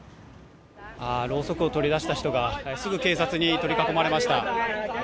ろうそくを取り出した人がすぐ警察に取り囲まれました。